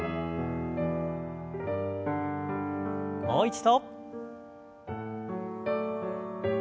もう一度。